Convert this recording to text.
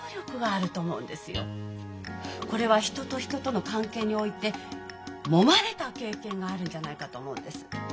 これは人と人との関係においてもまれた経験があるんじゃないかと思うんです。